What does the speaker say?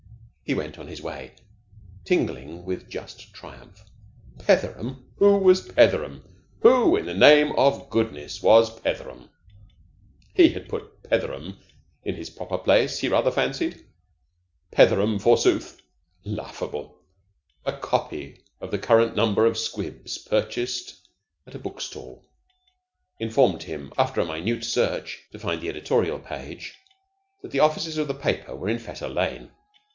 He went on his way, tingling with just triumph. Petheram? Who was Petheram? Who, in the name of goodness, was Petheram? He had put Petheram in his proper place, he rather fancied. Petheram, forsooth. Laughable. A copy of the current number of 'Squibs,' purchased at a book stall, informed him, after a minute search to find the editorial page, that the offices of the paper were in Fetter Lane.